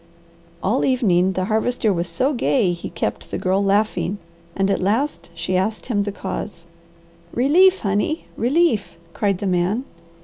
All evening the Harvester was so gay he kept the Girl laughing and at last she asked him the cause. "Relief, honey! Relief!" cried the man.